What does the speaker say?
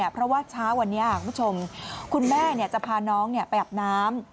เพราะว่าเช้าวันนี้คุณผู้ชมคุณแม่จะพาน้องไปอาบน้ำ